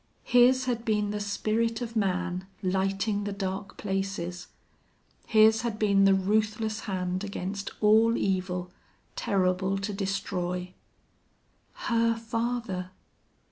His had been the spirit of man lighting the dark places; his had been the ruthless hand against all evil, terrible to destroy. Her father!